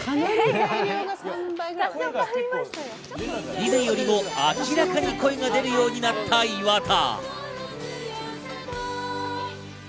以前よりも明らかに声が出るようになった岩田。